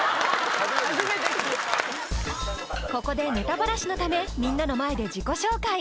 ここでネタバラシのためみんなの前で自己紹介